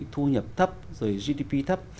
thu nhập thấp rồi gdp thấp